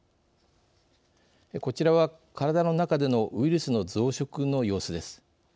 こちらは体の中でのウイルスの増殖の様子です。